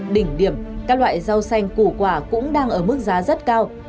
đỉnh điểm các loại rau xanh củ quả cũng đang ở mức giá rất cao